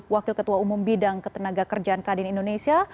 wakil ketua umum bidang ketenaga kerjaan kadin indonesia